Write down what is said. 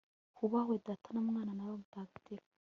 hubahwe data na mwana na roho mutagatifu